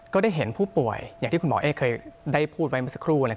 ก็ได้เห็นผู้ป่วยอย่างที่คุณหมอเอ๊เคยได้พูดไว้เมื่อสักครู่